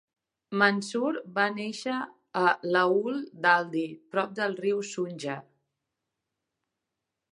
Mansur va néixer a l'aul d'Aldi, prop del riu Sunja.